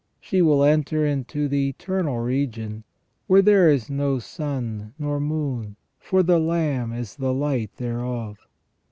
She will enter into the eternal region, where " there is no sun nor moon, for the Lamb is the light thereof".